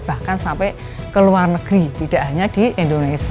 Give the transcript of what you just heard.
bahkan sampai ke luar negeri tidak hanya di indonesia